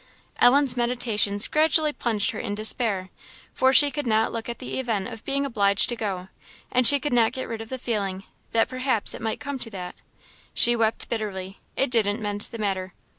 Ellen's meditations gradually plunged her in despair; for she could not look at the event of being obliged to go, and she could not get rid of the feeling, that perhaps it might come to that. She wept bitterly it didn't mend the matter.